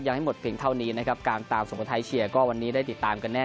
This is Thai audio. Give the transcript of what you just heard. ให้หมดเพียงเท่านี้นะครับการตามสุโขทัยเชียร์ก็วันนี้ได้ติดตามกันแน่